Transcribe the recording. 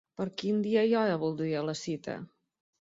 Per quin dia i hora voldria la cita?